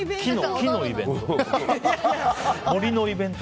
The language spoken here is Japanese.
木のイベント？